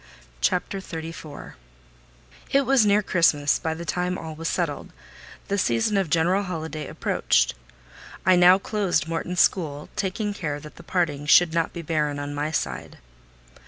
CHAPTER XXXIV It was near Christmas by the time all was settled: the season of general holiday approached. I now closed Morton school, taking care that the parting should not be barren on my side.